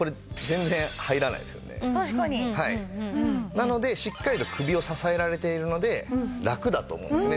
なのでしっかりと首を支えられているのでラクだと思うんですね